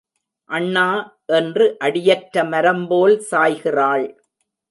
அண்ணா என்று அடியற்ற மரம்போல் சாய்கிறாள்.